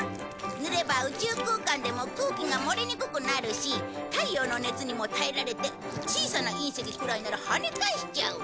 塗れば宇宙空間でも空気が漏れにくくなるし太陽の熱にも耐えられて小さな隕石くらいならはね返しちゃう。